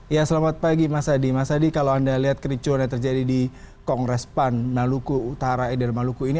ya selamat pagi mas adi mas adi kalau anda lihat kericuan yang terjadi di kongres pan maluku utara eder maluku ini